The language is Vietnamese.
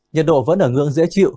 nhật độ vẫn ở ngưỡng dễ chịu